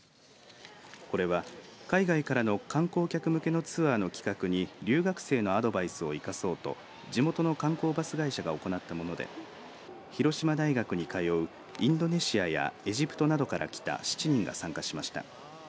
これは海外からの観光客向けのツアーの企画に留学生のアドバイスを生かそうと地元の観光バス会社が行ったもので広島大学に通うインドネシアやエジプトなどから来た７人が参加しました。